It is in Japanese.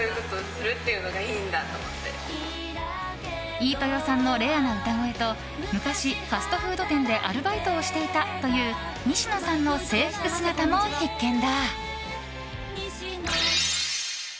飯豊さんのレアな歌声と昔、ファストフード店でアルバイトをしていたという西野さんの制服姿も必見だ。